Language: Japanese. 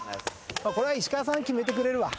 これは石川さん決めるわ。